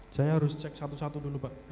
saya harus cek satu satu dulu pak